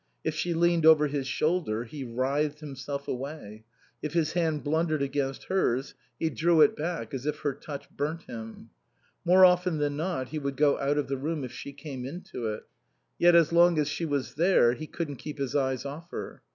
If she leaned over his shoulder he writhed himself away; if his hand blundered against hers he drew it back as if her touch burnt him. More often than not he would go out of the room if she came into it. Yet as long as she was there he couldn't keep his eyes off her.